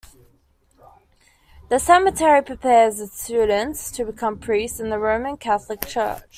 The seminary prepares its students to become priests in the Roman Catholic Church.